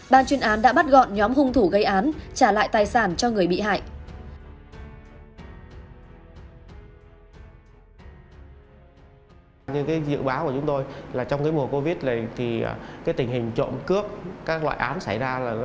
ban chuyên án đã bắt gọn nhóm hung thủ gây án trả lại tài sản cho người bị hại